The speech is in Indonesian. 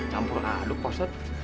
campur aduk postat